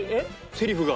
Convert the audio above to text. セリフが？